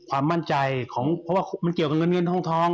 ความมั่นใจของเพราะว่ามันเกี่ยวกับเงินเงินทอง